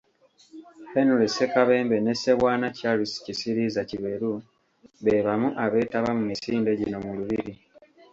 Henry Ssekabembe ne Ssebwana Charles Kisiriiza Kiberu beebamu abeetaba mu misinde gino mu lubiri.